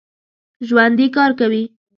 ژوندي کار کوي